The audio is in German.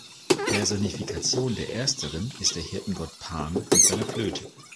Personifikation der ersteren ist der Hirtengott Pan mit seiner Flöte.